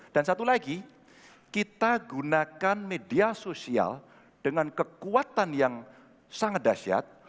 dan satu lagi kita gunakan media sosial dengan kekuatan yang sangat dahsyat